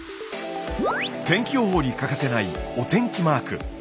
天気予報に欠かせないお天気マーク。